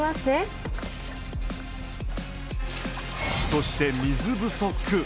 そして水不足。